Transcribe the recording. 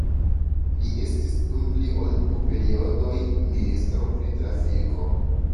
Li estis dum pli ol du periodoj ministro pri trafiko.